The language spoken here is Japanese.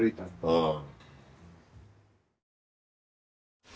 うん。